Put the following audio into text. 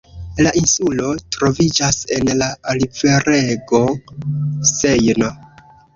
La insulo troviĝas en la riverego Sejno.